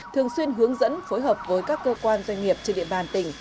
thường xuyên hướng dẫn phối hợp với các cơ quan doanh nghiệp trên địa bàn tỉnh